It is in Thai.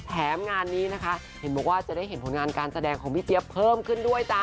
แถมงานนี้นะคะเห็นบอกว่าจะได้เห็นผลงานการแสดงของพี่เจี๊ยบเพิ่มขึ้นด้วยจ้ะ